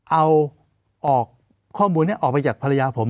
เอาข้อมูลนี้ออกไปจากภรรยาผม